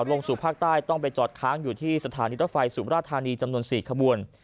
ลงสู่ภาคใต้ต้องไปจอดค้างอยู่ที่สถานีรถไฟสุมราชธานีจำนวน๔ขบวน